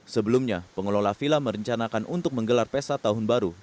sebelumnya pengelola vila merencanakan untuk menggelar pesa tahun berikutnya